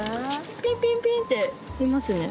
ピンピンピンっていますね。